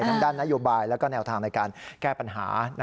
ด้านนโยบายและแนวทางในการแก้ปัญหา